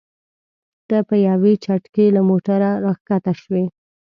ته په یوې چټکۍ له موټره راښکته شوې.